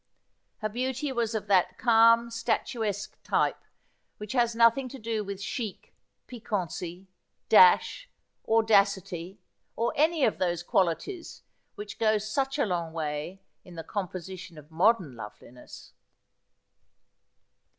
Her beauty was of that calm statuesque type which has nothing to do with chic, piquancy, dash, audacity, or any of those qualities which go such a long way in the composition of modern loveliness.